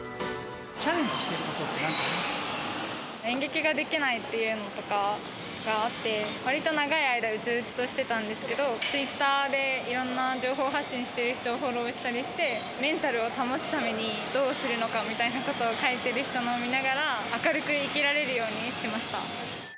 チャレンジしてることって、演劇ができないっていうのとかがあって、わりと長い間、うつうつとしてたんですけど、ツイッターでいろんな情報発信している人をフォローしたりして、メンタルを保つためにどうするのかみたいなことを書いてる人のを見ながら、明るく生きられるようにしました。